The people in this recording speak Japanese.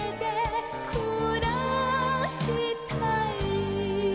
「暮らしたい」